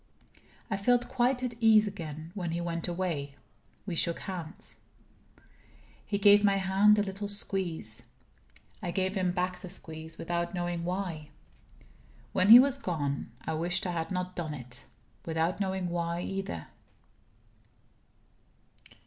I felt quite at ease again. When he went away, we shook hands. He gave my hand a little squeeze. I gave him back the squeeze without knowing why. When he was gone, I wished I had not done it without knowing why, either.